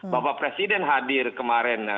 bapak presiden hadir kemarin